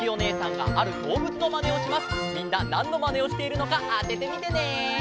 みんななんのまねをしているのかあててみてね！